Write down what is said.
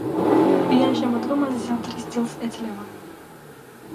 გვიან შემოდგომაზე ზამთრის ძილს ეძლევა.